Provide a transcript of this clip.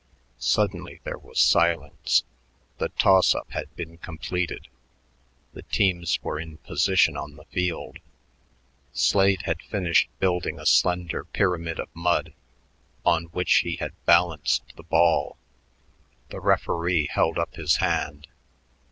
Suddenly there was silence. The toss up had been completed; the teams were in position on the field. Slade had finished building a slender pyramid of mud, on which he had balanced the ball. The referee held up his hand.